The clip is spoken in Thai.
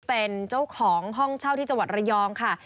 เป็นเจ้าของห้องเช่าที่จังหวัดระยองค่ะ